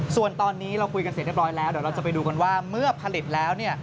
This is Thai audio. ส่วนตอนนี้เราคุยกันเสร็จเรียบร้อยแล้วเดี๋ยวเราจะไปดูกันว่าเมื่อผลิตแล้วเนี่ย